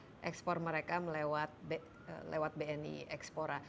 memperlancar ekspor mereka melewat bni ekspora